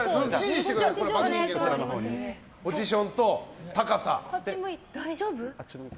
ポジションと高さ。